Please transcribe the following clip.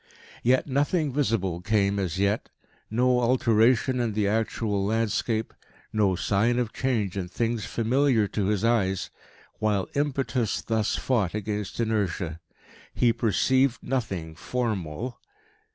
Yet nothing visible came as yet, no alteration in the actual landscape, no sign of change in things familiar to his eyes, while impetus thus fought against inertia. He perceived nothing form al.